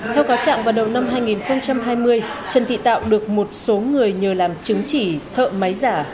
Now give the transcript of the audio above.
theo cáo trạng vào đầu năm hai nghìn hai mươi trần thị tạo được một số người nhờ làm chứng chỉ thợ máy giả